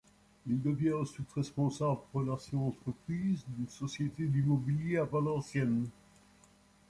Il devient ensuite responsable relations entreprise d'une société d'immobilier à Valenciennes.